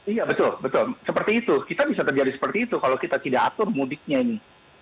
iya betul betul seperti itu kita bisa terjadi seperti itu kalau kita tidak atur mudiknya ini